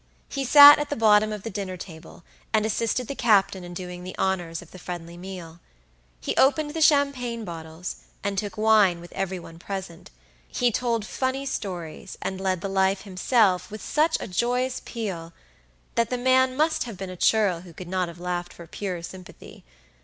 He sat at the bottom of the dinner table, and assisted the captain in doing the honors of the friendly meal. He opened the champagne bottles, and took wine with every one present; he told funny stories, and led the life himself with such a joyous peal that the man must have been a churl who could not have laughed for pure sympathy.